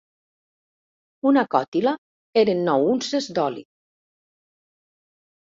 Una còtila eren nou unces d'oli.